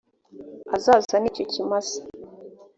azazane icyo kimasa